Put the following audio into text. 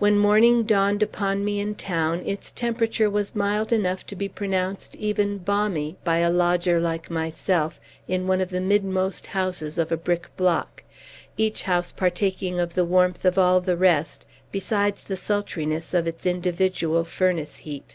When morning dawned upon me, in town, its temperature was mild enough to be pronounced even balmy, by a lodger, like myself, in one of the midmost houses of a brick block, each house partaking of the warmth of all the rest, besides the sultriness of its individual furnace heat.